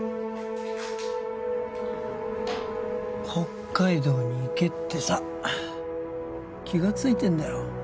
北海道に行けってさ気がついてんだよ